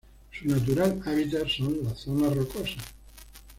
Su natural hábitat son las zonas rocosas.